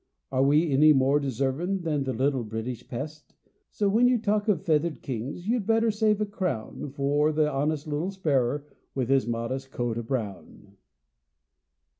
Are we any more deservin' than th' "little British pest?" So, when you talk of "feathered kings" you'd better save a crown Fer the honest little sparrer, with his modest coat o' brown.